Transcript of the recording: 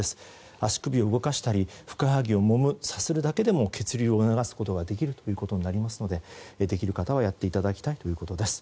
足首を動かしたりふくらはぎをもむさするだけでも血流を促すことができるということでできる方はやっていただきたいということです。